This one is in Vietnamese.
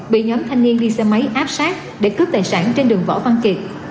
bị nhóm thanh niên đi xe máy áp sát để cướp tài sản trên đường võ văn kiệt